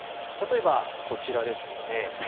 例えばこちらですね。